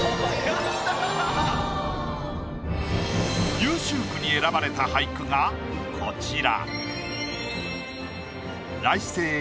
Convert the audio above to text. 優秀句に選ばれた俳句がこちら。